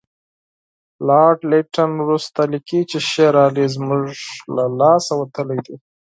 لارډ لیټن وروسته لیکي چې شېر علي زموږ له لاسه وتلی دی.